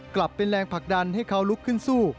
กลับเป็นแรงผลักดันให้เขาลุกขึ้นสู้